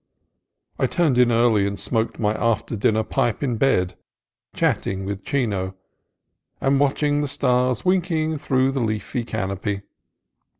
I turned in early, and smoked my after dinner pipe in bed, chatting with Chino and watching the stars winking through the leafy canopy.